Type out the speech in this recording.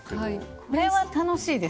これは楽しいですね。